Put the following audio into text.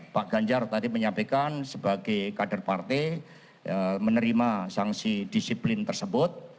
pak ganjar tadi menyampaikan sebagai kader partai menerima sanksi disiplin tersebut